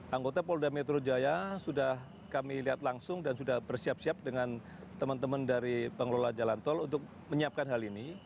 anggota polda metro jaya sudah kami lihat langsung dan sudah bersiap siap dengan teman teman dari pengelola jalan tol untuk menyiapkan hal ini